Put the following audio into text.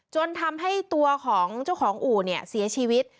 จนทำให้ตัวของเจ้าของอู่เนี่ยเสียชีวิต